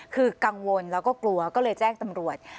คือกังวลแล้วก็กลัวก็เลยแจ้งตำรวจ